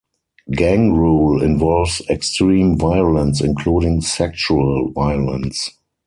Gang rule involves extreme violence, including sexual violence.